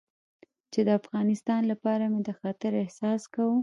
چې د افغانستان لپاره مې د خطر احساس کاوه.